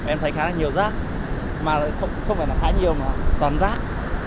em thấy khá là nhiều rác mà lại không phải là khá nhiều mà toàn rác